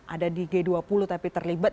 ada di g dua puluh tapi terlibat